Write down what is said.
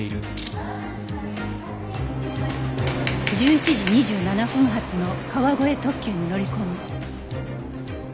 １１時２７分発の川越特急に乗り込む